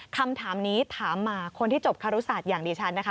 คำถามนี้ถามมาคนที่จบคารุศาสตร์อย่างดิฉันนะคะ